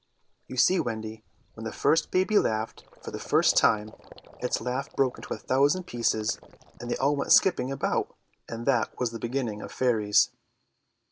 "You see, Wendy, when the first baby laughed for the first time, its laugh broke into a thousand pieces, and they all went skipping about, and that was the beginning of fairies."